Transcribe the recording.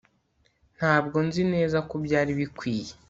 ntabwo nzi neza ko byari bikwiye